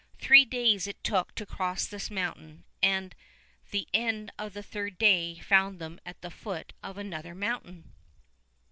Three days it took to cross this mountain, and the end of the third day found them at the foot of another mountain.